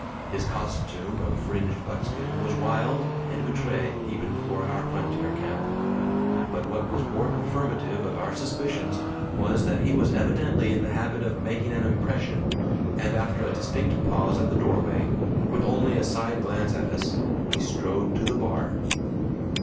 His costume of fringed buckskin was wild and outre even for our frontier camp. But what was more confirmative of our suspicions was that he was evidently in the habit of making an impression, and after a distinct pause at the doorway, with only a side glance at us, he strode toward the bar.